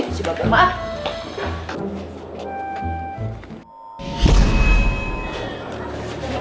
si mbak be maaf